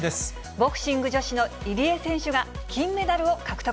ボクシング女子の入江選手が金メダルを獲得。